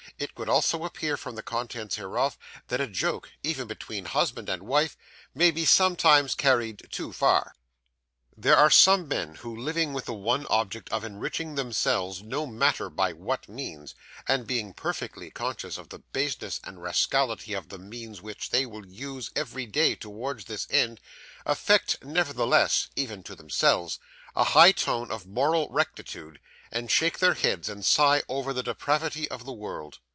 It would also appear from the Contents hereof, that a Joke, even between Husband and Wife, may be sometimes carried too far There are some men who, living with the one object of enriching themselves, no matter by what means, and being perfectly conscious of the baseness and rascality of the means which they will use every day towards this end, affect nevertheless even to themselves a high tone of moral rectitude, and shake their heads and sigh over the depravity of the world.